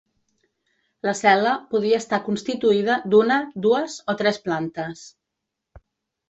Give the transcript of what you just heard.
La cel·la podia estar constituïda d'una, dues o tres plantes.